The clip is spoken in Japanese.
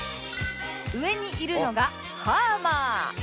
上にいるのがハーマー